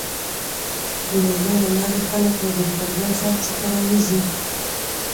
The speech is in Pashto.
د مېلو له لاري خلک له بې پروا ژوند څخه راوځي.